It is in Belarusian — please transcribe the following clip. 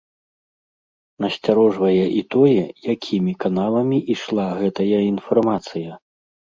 Насцярожвае і тое, якімі каналамі ішла гэтая інфармацыя.